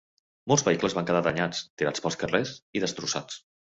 Molts vehicles van quedar danyats, tirats pels carrers i destrossats.